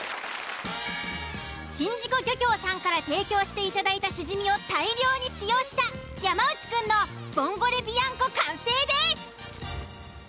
宍道湖漁協さんから提供していただいたシジミを大量に使用した山内くんのボンゴレビアンコ完成です。